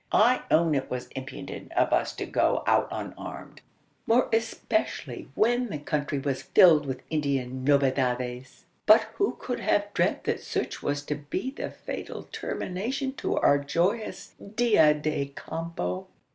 I own it was imprudent of us to go out unarmed more especially when the country was filled with Indian novedades but who could have dreamt that such was to be the fatal termination to our joyous _dia de campo?